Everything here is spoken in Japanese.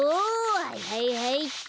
はいはいはいっと。